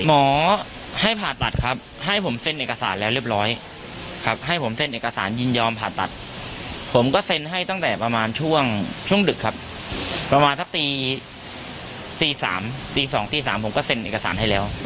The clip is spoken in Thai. หมอให้ผ่าตัดครับให้ผมเซ็นเอกสารแล้วเรียบร้อยครับให้ผมเซ็นเอกสารยินยอมผ่าตัดผมก็เซ็นให้ตั้งแต่ประมาณช่วงดึกครับประมาณสักตี๓ตี๒ตี๓ผมก็เซ็นเอกสารให้แล้ว